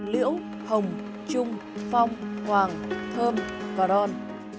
liễu hồng trung phong hoàng thơm và don